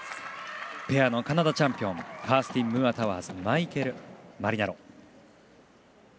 ペアのカナダチャンピオンカーステン・ムーアタワーズマイケル・マリナロ。